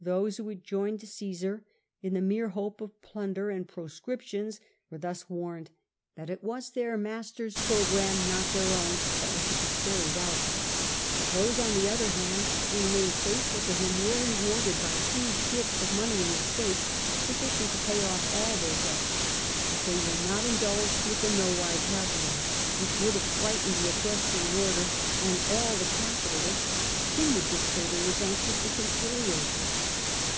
Those who had joined Caesar in the mere hope of plunder and proscriptions were thus warned that it was their master's programme, not their own, that was to be carried out. Those, on the other hand, who remained faithful to him, were rewarded by huge gifts of money and estates, sufficient to pay ofi all their debts; but they were not indulged with the %o'da& tabulae, which would have frightened the Equestrian Order and all the capitalists whom the dictator was anxious to conciliate.